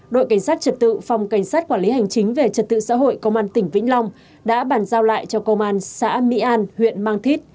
đội cảnh sát trật tự phòng cảnh sát quản lý hành chính về trật tự xã hội công an tỉnh vĩnh long đã bàn giao lại cho công an xã mỹ an huyện mang thít